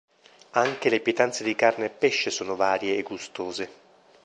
Anche le pietanze di carne e pesce sono varie e gustose.